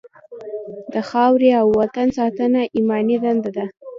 د خاورې او وطن ساتنه ایماني دنده ده.